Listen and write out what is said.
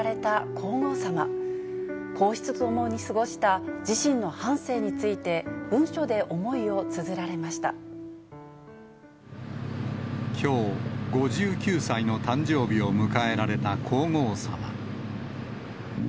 皇室とともに過ごした自身の半生について、きょう、５９歳の誕生日を迎えられた皇后さま。